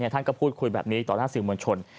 ท่านก็พูดคุยแบบนี้ต่อหน้าสื่อมวลชน